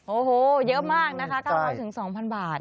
โอ้โหเยอะมากนะคะ๙๐๐๒๐๐บาท